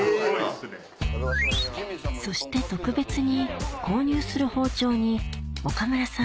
そして特別に購入する包丁に岡村さん